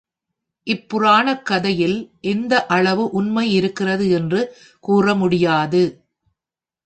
இப் புராணக் கதையில் எந்த அளவு உண்மையிருக்கிறது என்று கூற முடியாது.